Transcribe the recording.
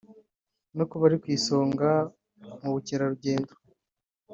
no kuba iri ku isonga mu bukererugendo